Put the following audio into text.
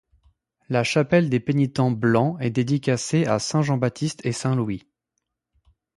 La chapelle des Pénitents blancs est dédicacée à saint Jean-Baptiste et saint Louis.